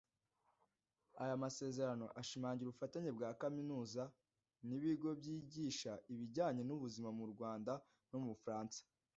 Aya masezerano ashimangira ubufatanye bwa za Kaminuza n’ibigo byigisha ibijyanye n’ubuzima mu Rwanda no mu Bufaransa